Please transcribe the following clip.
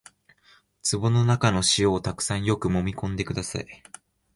壺の中の塩をたくさんよくもみ込んでください